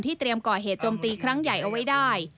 เตรียมก่อเหตุโจมตีครั้งใหญ่เอาไว้ได้